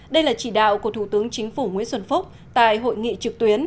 đây là chỉ đạo của thủ tướng chính phủ nguyễn xuân phúc tại hội nghị trực tuyến